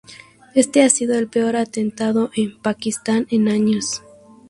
Este ha sido el peor atentado en Pakistán en años.